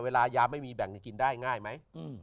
เวลายาไม่มีแบ่งกินได้ง่ายไหม